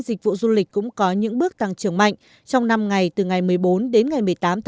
vì vậy chúng tôi có nhiều đường đường mạnh mẽ trước chúng tôi